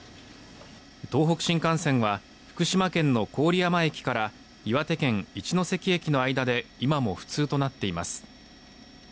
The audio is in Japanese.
東北新幹線は福島県の郡山駅から岩手県・一ノ関駅の間で今も不通となっています。